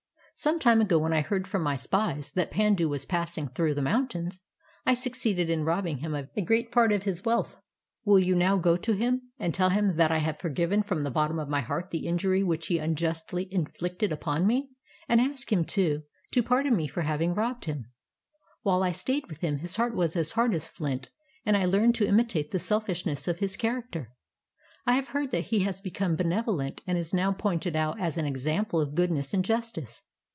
Some time ago when I heard from my spies that Pandu was passing through the moimtains. I succeeded in robbing him of a great part of his wealth. Will you now go to him and tell him that I have forgiven from the bottom of my heart the injury which he unjustly inflicted upon me, and ask him, too, to pardon me for ha\ ing robbed him. \Miile I stayed with him his heart was as hard as flint, and I learned to imitate the selfishness of his character. I have heard that he has become benevolent and is now pointed out as an example of goodness and justice.